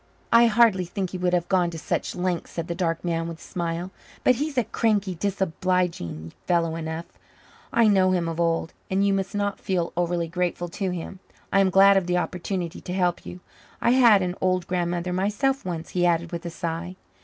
"I hardly think he would have gone to such lengths," said the dark man with a smile. "But he's a cranky, disobliging fellow enough I know him of old. And you must not feel overly grateful to me. I am glad of the opportunity to help you. I had an old grandmother myself once," he added with a sigh.